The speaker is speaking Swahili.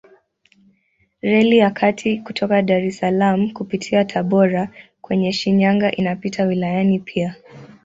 Reli ya kati kutoka Dar es Salaam kupitia Tabora kwenda Shinyanga inapita wilayani pia.